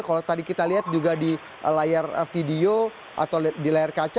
kalau tadi kita lihat juga di layar video atau di layar kaca